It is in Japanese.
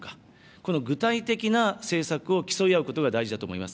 この具体的な政策を競い合うことが大事だと思います。